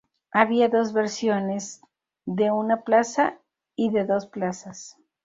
Había dos versiones: de una plaza y de dos plazas.